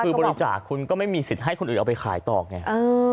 คือบริจาคคุณก็ไม่มีสิทธิ์ให้คนอื่นเอาไปขายต่อไง